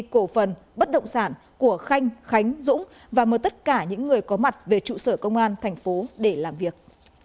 cổ phần bất động sản của khanh khánh dũng và mời tất cả những người có mặt về trụ sở công an thành phố để làm việc